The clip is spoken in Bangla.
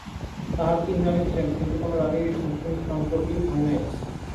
তাঁহার তিন রাণী ছিলেন, কিন্তু কোন রাণীরই সন্তান-সন্ততি হয় নাই।